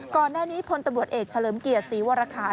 ก่อนหน้านี้พลตำรวจเอกเฉลิมเกียรติศรีวรคาร